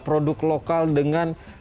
produk lokal dengan